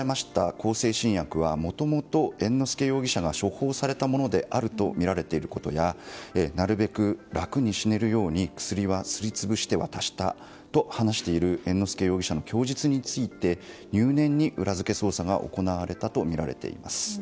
向精神薬はもともと、猿之助容疑者が処方されたものであるとみられていることやなるべく楽に死ねるように薬はすり潰して渡したと話している猿之助容疑者の供述について入念に裏付け捜査が行われたとみられています。